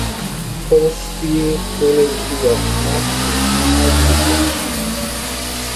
Conspirologia, Martin Heidegger